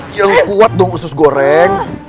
yang kuat dong usus goreng